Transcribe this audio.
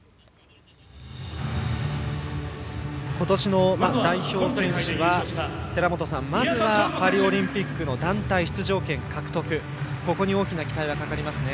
今年の代表選手は寺本さん、まずはパリオリンピックの団体出場権獲得ここに大きな期待がかかりますね。